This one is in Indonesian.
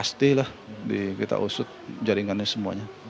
pastilah kita usut jaringannya semuanya